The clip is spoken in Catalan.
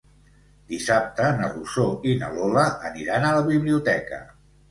Dissabte na Rosó i na Lola aniran a la biblioteca.